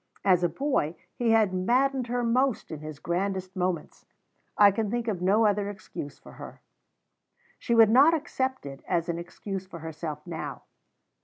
As a boy, he had maddened her most in his grandest moments. I can think of no other excuse for her. She would not accept it as an excuse for herself now.